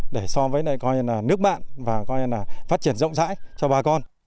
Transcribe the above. để so với nước bạn và phát triển rộng rãi cho bà con